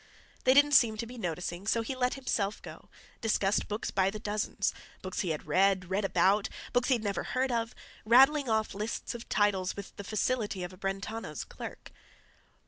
They didn't seem to be noticing, so he let himself go, discussed books by the dozens—books he had read, read about, books he had never heard of, rattling off lists of titles with the facility of a Brentano's clerk.